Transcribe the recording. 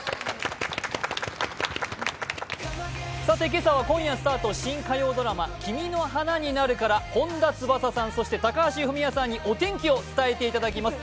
今朝は今夜スタート新火曜ドラマ「君の花になる」から本田翼さん、高橋文哉さんにお天気を伝えていただきます。